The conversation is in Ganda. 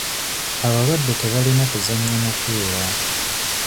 Abalwadde tebalina kuzannya mupiira.